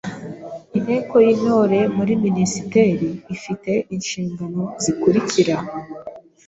Inteko y’Intore muri Minisiteri ifi te inshingano zikurikira: